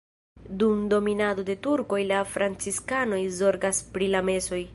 Dum dominado de turkoj la franciskanoj zorgas pri la mesoj.